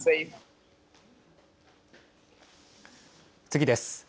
次です。